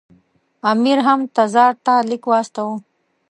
امیر هم تزار ته لیک واستاوه.